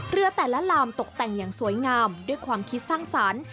เรือแต่ละลามตกแต่งอย่างสวยงามด้วยความคิดสร้างสรรค์